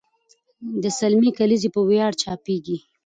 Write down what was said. د سلمې کلیزې په ویاړ چاپېږي.